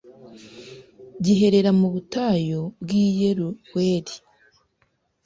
giherera mu butayu bw i Yeruweli